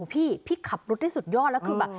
พี่พี่ขับรถได้สุดยอดแล้วคือแบบ